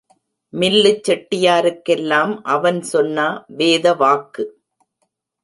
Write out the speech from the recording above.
மில்லுச் செட்டியாருக்கெல்லாம் அவன் சொன்னா வேதவாக்கு.